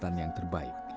dan dia pilih ibu bapak